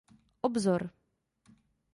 Obzor.